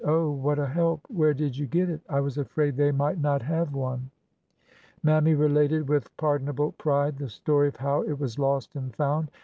" Oh ! what a help! Where did you get it? I was afraid they might not have one." Mammy related with pardonable pride the story of how it was lost and found.